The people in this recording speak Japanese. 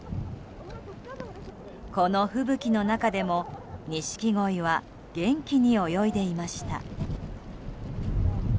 この吹雪の中でも、ニシキゴイは元気に泳いでいました。